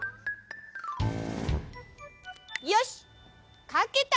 よしっかけた！